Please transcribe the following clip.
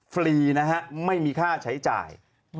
ฟรีนะฮะไม่มีค่าใช้จ่าย